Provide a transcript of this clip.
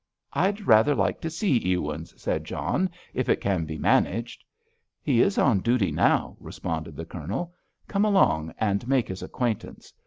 "I'd rather like to see Ewins," said John, "if it can be managed." "He is on duty now," responded the Colonel. "Come along and make his acquaintance.